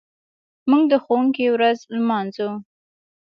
موږ د ښوونکي ورځ لمانځو.